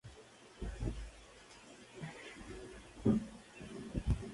Formas alternativas de escribirlo son 和泉, 泉水, いずみ e いづみ.